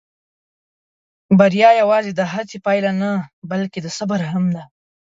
بریا یواځې د هڅې پایله نه، بلکې د صبر هم ده.